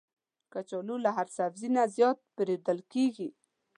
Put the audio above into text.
کچالو له هر سبزي نه زیات پېرودل کېږي